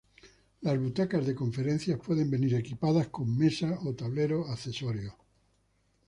Las butacas de conferencias pueden venir equipadas con mesas o tableros accesorios.